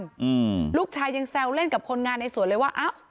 อืมลูกชายยังแซวเล่นกับคนงานในสวนเลยว่าอ้าว